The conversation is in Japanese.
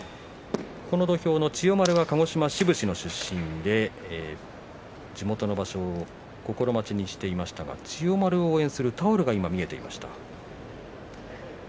千代丸は鹿児島の志布志の出身で地元の場所心待ちにしていましたが千代丸を応援するタオルが見えていました。